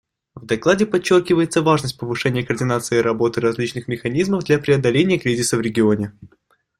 В докладе подчеркивается важность повышения координации работы различных механизмов для преодоления кризиса в регионе.